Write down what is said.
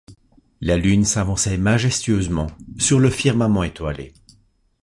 La Lune s’avançait majestueusement sur le firmament étoilé.